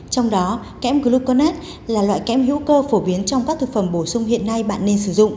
trong đó kém gluconate là loại kém hữu cơ phổ biến trong các thực phẩm bổ sung hiện nay bạn nên sử dụng